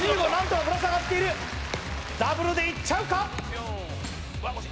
ダブルでいっちゃうか？